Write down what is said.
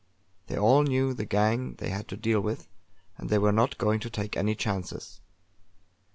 They all knew the gang they had to deal with, and they were not going to take any chances.